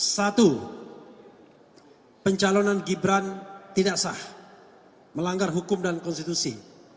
satu pencalonan gibran tidak sah melanggar hukum dan konstitusi